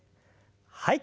はい。